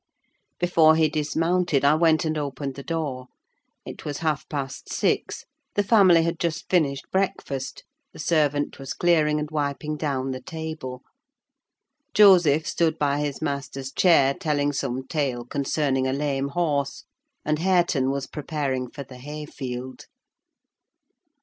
Before he dismounted, I went and opened the door. It was half past six; the family had just finished breakfast: the servant was clearing and wiping down the table. Joseph stood by his master's chair telling some tale concerning a lame horse; and Hareton was preparing for the hayfield.